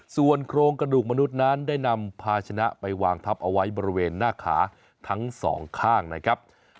ส่วนโครงกระดูกมนุษย์นั้นได้นำพาชนะไปวางทับเอาไว้บริเวณหน้าขาทั้งสองข้างนะครับ